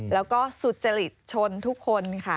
แล้วก็สุจริตชนทุกคนค่ะ